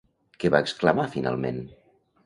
Què va exclamar finalment?